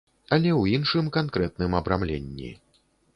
Але ў іншым канкрэтным абрамленні.